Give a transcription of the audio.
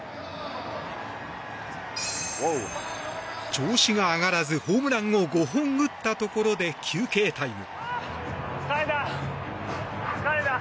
調子が上がらずホームランを５本打ったところで休憩タイム。